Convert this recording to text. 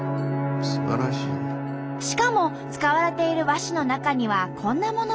しかも使われている和紙の中にはこんなものも。